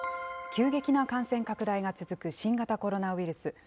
急激な感染拡大が続く新型コロナウイルス。